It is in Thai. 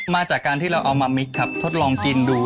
มาจากการที่เราเอามามิกครับทดลองกินดู